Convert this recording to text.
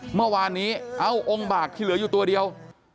เมื่อวานนี้เอาองค์บากที่เหลืออยู่ตัวเดียว